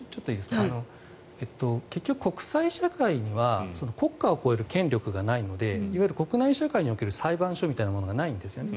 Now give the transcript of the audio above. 結局、国際社会には国家を超える権力がないのでいわゆる国内社会における裁判所みたいなものがないんです。